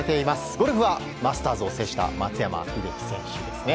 ゴルフはマスターズを制した松山英樹選手ですね。